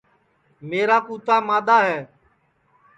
میرا کُوتا مادؔاہے